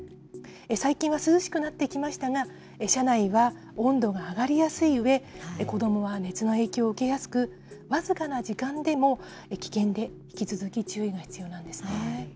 最近は涼しくなってきましたが、車内は温度が上がりやすいうえ、子どもは熱の影響を受けやすく、僅かな時間でも危険で、引き続き注意が必要なんですね。